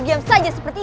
diam saja seperti ini